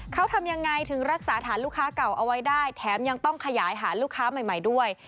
เขาทำยังไงถึงรักษาฐานลูกค้าเก่าเอาไว้ได้แถมยังต้องขยายหาลูกค้าใหม่ด้วย